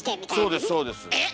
そうですそうです。えっ？